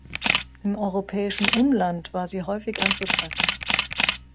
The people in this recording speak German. Im europäischen Umland war sie häufig anzutreffen.